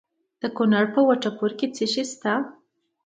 د کونړ په وټه پور کې څه شی شته؟